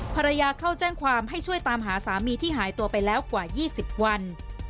ภรรยาเข้าแจ้งความให้ช่วยตามหาสามีที่หายตัวไปแล้วกว่า๒๐วัน